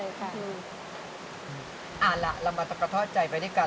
เอาล่ะเรามากระทอดใจไปด้วยกัน